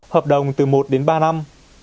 hợp đồng từ một đến ba năm